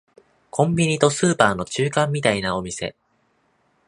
コンビニとスーパーの中間みたいなお店